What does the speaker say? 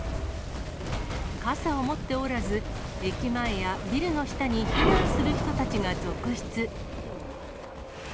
傘を持っておらず、駅前やビルの下に避難する人たちが続出。